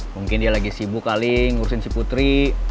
mungkin dia lagi sibuk kali ngurusin si putri